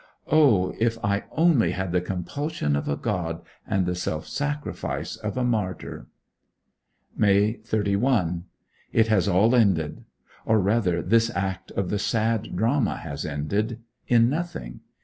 O, if I only had the compulsion of a god, and the self sacrifice of a martyr! May 31. It has all ended or rather this act of the sad drama has ended in nothing.